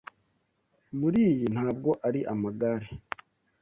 muri iyi Ntabwo ari Amagare"